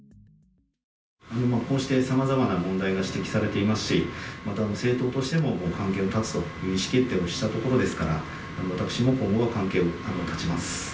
こうしてさまざまな問題が指摘されていますし、また政党としても関係を断つという意思決定をしたところですから、私も今後、関係を断ちます。